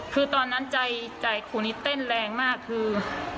คือตอนนั้นใจครูนี้เต้นแรงมากคือ